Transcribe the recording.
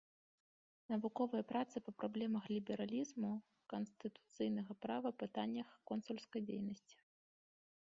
Навуковыя працы па праблемах лібералізму, канстытуцыйнага права, пытаннях консульскай дзейнасці.